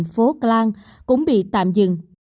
hàng phố klan cũng bị tạm dừng